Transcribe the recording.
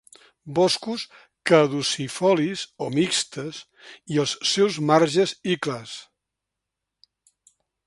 Boscos caducifolis o mixtes i als seus marges i clars.